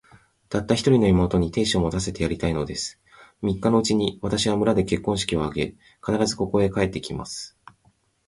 たった一人の妹に、亭主を持たせてやりたいのです。三日のうちに、私は村で結婚式を挙げさせ、必ず、ここへ帰って来ます。